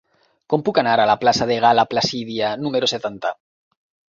Com puc anar a la plaça de Gal·la Placídia número setanta?